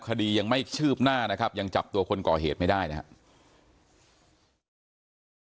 คดียังไม่คืบหน้านะครับยังจับตัวคนก่อเหตุไม่ได้นะครับ